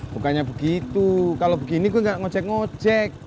bukannya begitu kalau begini gue gak ngajak ngajak